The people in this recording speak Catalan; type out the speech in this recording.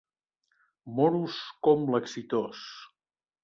Moros com l'exitós.